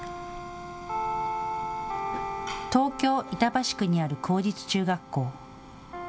東京板橋区にある公立中学校。